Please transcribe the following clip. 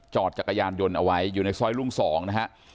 จักรยานยนต์เอาไว้อยู่ในซอยรุ่ง๒นะฮะ